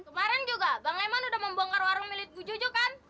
kemarin juga bang leman udah membongkar warung milik bu juju kan